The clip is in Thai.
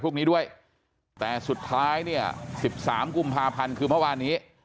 พวกนี้ด้วยแต่สุดท้ายเนี่ย๑๓กุมภาพันธ์คือเมื่อวานนี้